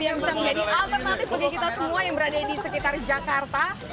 yang bisa menjadi alternatif bagi kita semua yang berada di sekitar jakarta